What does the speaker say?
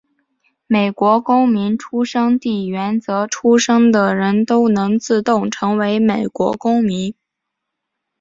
美国公民出生地原则出生的人都能自动成为美国公民。